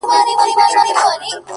ده ناروا،